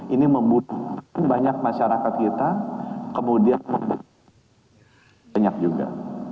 ini membunuh banyak masyarakat kita kemudian membunuh banyak juga